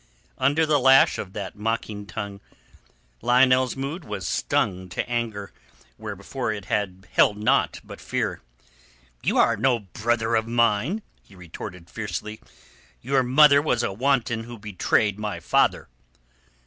Under the lash of that mocking tongue Lionel's mood was stung to anger where before it had held naught but fear. "You are no brother of mine," he retorted fiercely. "Your mother was a wanton who betrayed my father."